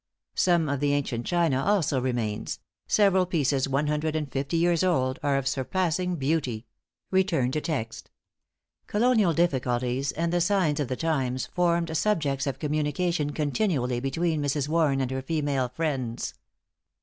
Some of the ancient china also remains; several pieces one hundred and fifty years old, are of surpassing beauty. Colonial difficulties, and the signs of the times, formed subjects of communication continually between Mrs. Warren and her female friends.